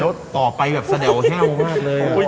แล้วต่อไปแบบสะดาวแห้วมากเลย